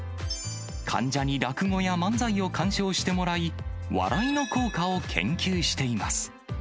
患者に落語や漫才を鑑賞してもらい、笑いの効果を研究しています。